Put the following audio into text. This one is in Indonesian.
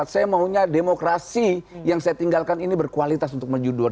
saya maunya demokrasi yang saya tinggalkan ini berkualitas untuk maju dua ribu dua puluh empat